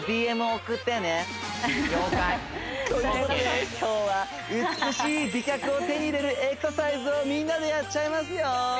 了解ということで今日は美しい美脚を手に入れるエクササイズをみんなでやっちゃいますよ